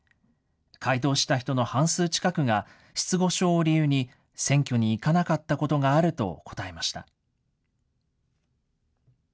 回答した人の半数近くが、失語症を理由に、選挙に行かなかったことがあると答えました。